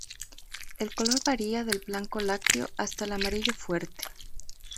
El color varía del blanco lácteo hasta el amarillo fuerte.